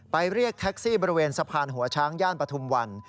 เรียกแท็กซี่บริเวณสะพานหัวช้างย่านปฐุมวัน